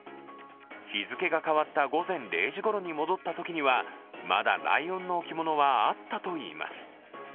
日付が変わった午前０時ごろに戻ったときにはまだライオンの置物はあったといいます。